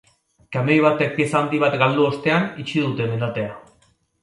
Kamioi batek pieza handi bat galdu ostean itxi dute mendatea.